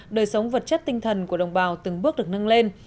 đời sống vật chất tinh thần của đồng bào từng bước được nâng lên